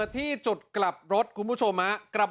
ที่จุดกลับรถคุณผู้ชม